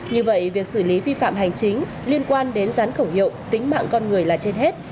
như vậy việc xử lý vi phạm hành chính liên quan đến rán khẩu hiệu tính mạng con người là trên hết